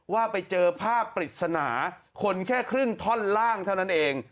ว่าไปเจอภาพปริศนาคนแค่ครึ่งท่อนล่างเท่านั้นเอง